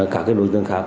các cái đối tượng khác